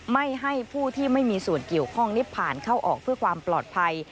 ไม่ให้ผู้ที่ไม่มีส่วนเกี่ยวข้องนี้ผ่านเข้าออกเพื่อความปลอดภัย